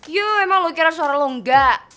yuh emang lo kira suara lo enggak